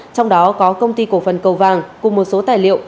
trong đó có công ty cổ phần cầu vàng cùng một số tài liệu